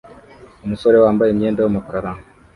Umusore wambaye imyenda yumukara